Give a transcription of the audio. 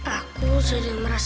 aku sedang merayu